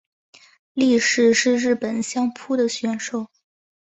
力士是日本相扑的选手。